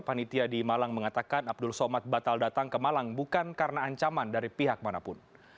panitia di malang mengatakan abdul somad batal datang ke malang bukan karena ancaman dari pihak manapun